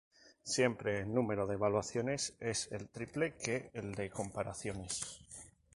Siempre el número de evaluaciones es el triple que el de comparaciones.